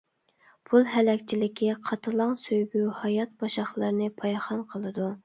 پۇل ھەلەكچىلىكى، قاتىلاڭ سۆيگۈ، ھايات باشاقلىرىنى پايخان قىلىدۇ.